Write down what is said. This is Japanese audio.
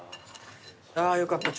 あぁよかった